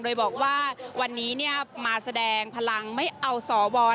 โดยบอกว่าวันนี้มาแสดงพลังไม่เอาสว